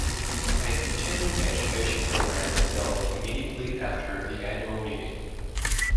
A continuing education program is held immediately after the annual meeting.